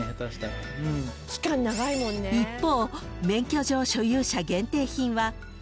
［一方］